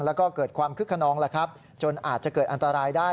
แล้วก็เกิดความคึกขนองแล้วครับจนอาจจะเกิดอันตรายได้